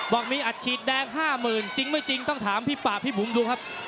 บอกมีอัดฉีดแดง๕๐๐๐จริงไม่จริงต้องถามพี่ป่าพี่บุ๋มดูครับ